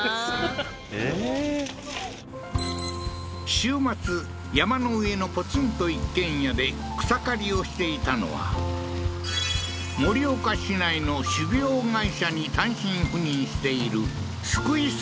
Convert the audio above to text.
週末山の上のポツンと一軒家で草刈りをしていたのは盛岡市内の種苗会社に単身赴任している漉磯